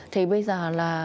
thì bây giờ là